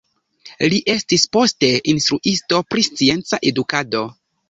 Li estis poste instruisto pri scienca edukado.